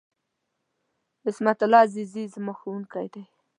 عصمت الله عزیزي ، زما ښوونکی دی.